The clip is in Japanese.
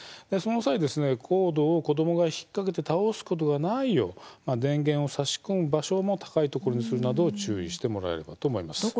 その際、コードを子どもが引っ掛けて倒すことがないよう電源を差し込む場所も高いところにするなど注意をしてもらえればと思います。